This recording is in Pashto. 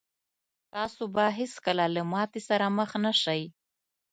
تاسو به هېڅکله له ماتې سره مخ نه شئ.